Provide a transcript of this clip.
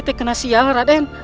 tek kena siang raden